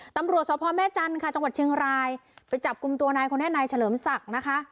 ตำรวจสพแม่จันทร์ค่ะจังหวัดเชียงรายไปจับกลุ่มตัวนายคนนี้นายเฉลิมศักดิ์นะคะ